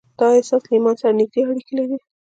دا احساس له ايمان سره نږدې اړيکې لري.